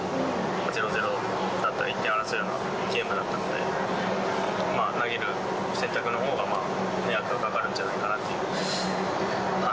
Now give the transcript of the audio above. ０ー０だったり、１点を争うようなゲームだったので、投げる選択のほうが迷惑がかかるんじゃないかなと。